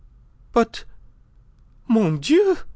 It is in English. "But mon Dieu!"